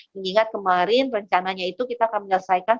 mengingat kemarin rencananya itu kita akan menyelesaikan